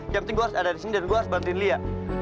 jamting gue harus ada di sini dan gue harus bantuin lia